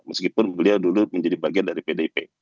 meskipun beliau dulu menjadi bagian dari pdip